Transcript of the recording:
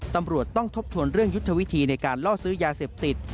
ตำรวจต้องทบทวนเรื่องยุทธวิธีในการล่อซื้อยาเสพติด